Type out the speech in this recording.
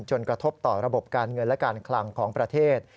กระทบต่อระบบการเงินและการคลังของประเทศ